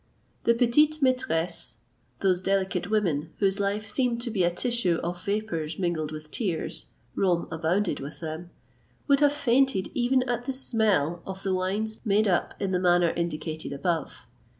The petites maîtresses, those delicate women, whose life seemed to be a tissue of vapours mingled with tears Rome abounded with them would have fainted even at the smell of the wines made up in the manner indicated above.